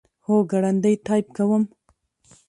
هو، ګړندی ټایپ کوم